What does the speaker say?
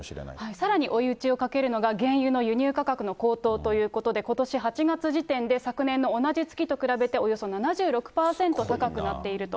さらに追い打ちをかけるのが、原油の輸入価格の高騰ということで、ことし８月時点で昨年の同じ月と比べておよそ７６％高くなっていると。